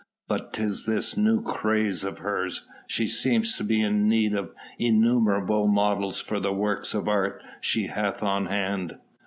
But 'tis this new craze of hers! She seems to be in need of innumerable models for the works of art she hath on hand."